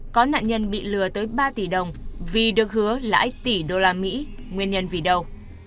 có nạn nhân bị lừa tới ba tỷ đồng vì được hứa lãi tỷ đô la mỹ nguyên nhân vì đâu